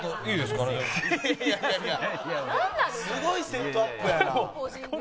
すごいセットアップやな。